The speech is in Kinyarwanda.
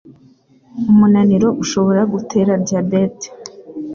Umunaniro ushobora gutera diabète